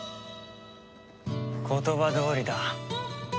言葉どおりだ。